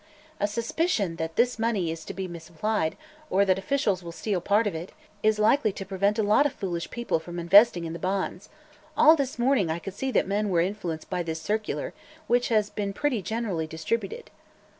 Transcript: "A suspicion that this money is to be misapplied, or that officials will steal part of it, is likely to prevent a lot of foolish people from investing in the bonds. All this morning I could see that men were influenced by this circular, which has been pretty generally distributed."